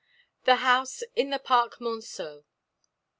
THE HOUSE IN THE PARC MONCEAU.